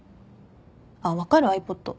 あっ分かる？ｉＰｏｄ。